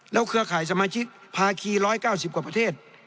เครือข่ายสมาชิกภาคี๑๙๐กว่าประเทศ